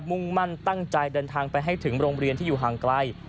มุ่งมั่นตั้งใจเดินทางไปให้ถึงโรงเรียนที่อยู่ห่างไกล